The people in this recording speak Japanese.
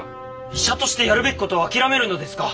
医者としてやるべき事を諦めるのですか？